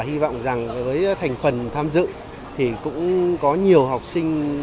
hy vọng rằng với thành phần tham dự thì cũng có nhiều học sinh